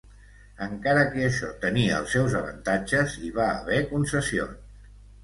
Encara que això tenia els seus avantatges, hi va haver concessions.